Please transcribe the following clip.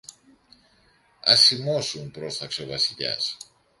Ας σιμώσουν, πρόσταξε ο Βασιλιάς.